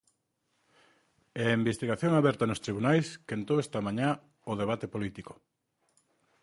E a investigación aberta nos tribunais quentou esta mañá o debate político.